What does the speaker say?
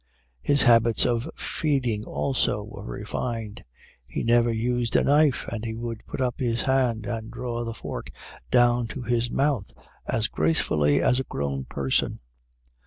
His habits of feeding, also, were refined; he never used a knife, and he would put up his hand and draw the fork down to his mouth as gracefully as a grown person.